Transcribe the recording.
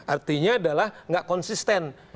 artinya adalah nggak konsisten